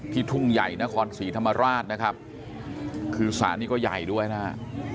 ทุ่งใหญ่นครศรีธรรมราชนะครับคือศาลนี้ก็ใหญ่ด้วยนะฮะ